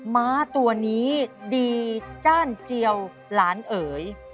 ม้าตัวนี้ดีจ้านเจียวหลานเอ๋ย